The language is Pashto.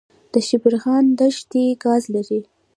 د شبرغان دښتې ګاز لري